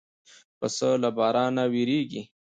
پسه له باران نه وېرېږي.